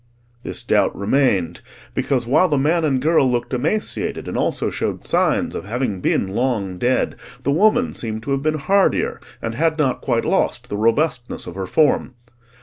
This doubt remained, because while the man and girl looked emaciated and also showed signs of having been long dead, the woman seemed to have been hardier, and had not quite lost the robustness of her form.